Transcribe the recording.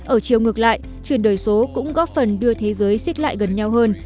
ở chiều ngược lại chuyển đổi số cũng góp phần đưa thế giới xích lại gần nhau hơn